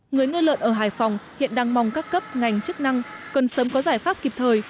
người nuôi lợn ở hải phòng hiện đang mong các cấp ngành chức năng cần sớm có giải pháp kịp thời